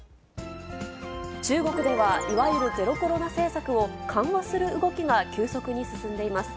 中国ではいわゆるゼロコロナ政策を緩和する動きが急速に進んでいます。